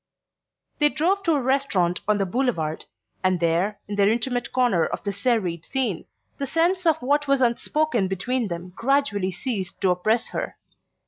They drove to a restaurant on the Boulevard, and there, in their intimate corner of the serried scene, the sense of what was unspoken between them gradually ceased to oppress her.